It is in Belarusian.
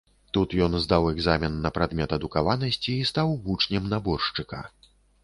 Тут ён здаў экзамен на прадмет адукаванасці і стаў вучнем наборшчыка.